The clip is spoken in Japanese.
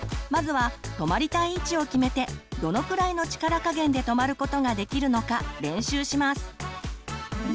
まずは止まりたい位置を決めてどのくらいの力加減で止まることができるのか練習します。